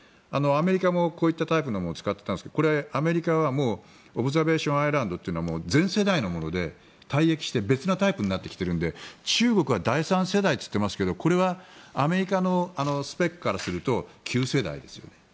アメリカもこういったタイプのものを使っていたんですがアメリカは「オブザベーションアイランド」は前世代のもので、退役して別のタイプのものになっているので中国は第３世代と言っていますがこれはアメリカのスペックからすると旧世代です。